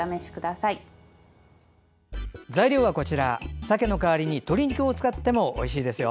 さけの代わりに鶏肉を使ってもおいしいですよ。